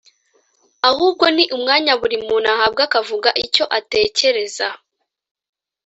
ahubwo ni umwanya buri muntu ahabwa akavuga icyo atekereza